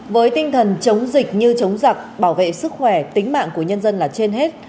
với tinh thần chống dịch như chống giặc bảo vệ sức khỏe tính mạng của nhân dân là trên hết